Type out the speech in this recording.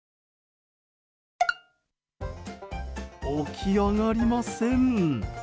起き上がりません。